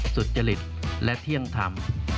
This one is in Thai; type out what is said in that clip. สุจริตและเที่ยงธรรม